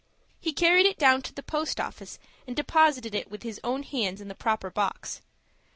He carried it down to the post office, and deposited it with his own hands in the proper box.